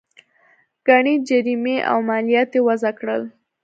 ګڼې جریمې او مالیات یې وضعه کړل.